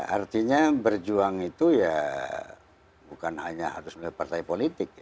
artinya berjuang itu ya bukan hanya harus melihat partai politik